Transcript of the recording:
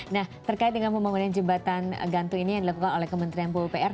nah terkait dengan pembangunan jembatan gantu ini yang dilakukan oleh kementerian pupr